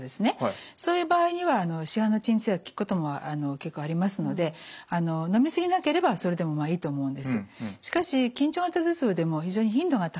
そういう場合には市販の鎮痛薬効くことも結構ありますのでのみ過ぎなければそれでもいいと思うんです。